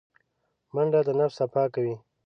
منډه د نفس صفا کوي